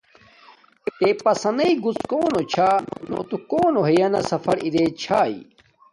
تے پسنݵ گڎ کونا چھا نو کونو تو ھیانا سفر ارا چھیتا